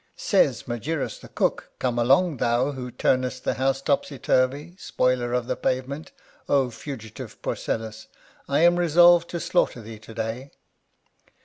Says Magirus, the cook :" Come along, thou who tumest the house topsy turvy, spoiler of the pavement, O fugitive Porcellus ! I am resolved to slaughter thee to day."